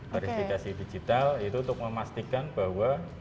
verifikasi digital itu untuk memastikan bahwa